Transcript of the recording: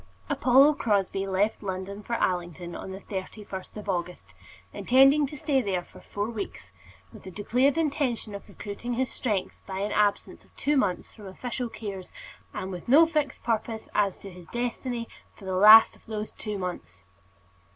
D. Apollo Crosbie left London for Allington on the 31st of August, intending to stay there four weeks, with the declared intention of recruiting his strength by an absence of two months from official cares, and with no fixed purpose as to his destiny for the last of those two months.